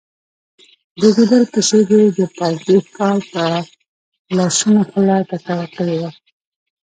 د ګیدړ په څېر یې د پردي ښکار په لړشونو خوله ککړه کړې وه.